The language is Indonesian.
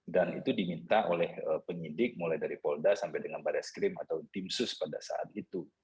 dan itu diminta oleh penyidik mulai dari polda sampai dengan baria skrim atau tim sus pada saat itu